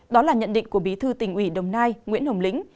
đó là nhận định của bí thư tỉnh ủy đồng nai nguyễn hồng lĩnh